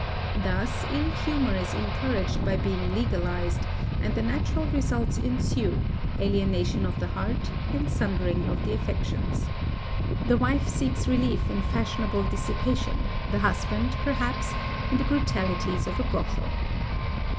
Thus, ill humour is encouraged by being legalized, and the natural results ensue, alienation of the heart, and sundering of the affections. The wife seeks relief in fashionable dissipation; the husband, perhaps, in the brutalities of a brothel.